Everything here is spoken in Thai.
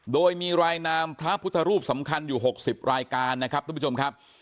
โดยมีรายนามพระพุทธรูปสำคัญอยู่๖๐รายการนะครับทุกผู้ชมครับ